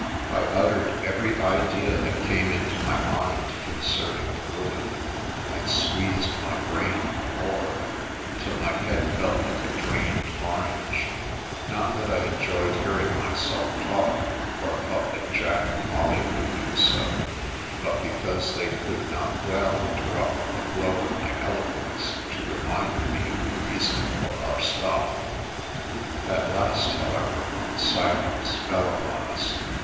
I uttered every idea that came into my mind con cerning the ruin, and squeezed my brain for more, till my head felt like a drained orange; not that I enjoyed hearing myself talk, or thought that Jack and Molly would do so, but because they could not well interrupt the flow of my eloquence to remind me of the reason for our stop. At last, however, silence fell upon us.